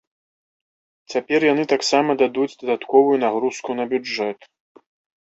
Цяпер яны таксама дадуць дадатковую нагрузку на бюджэт.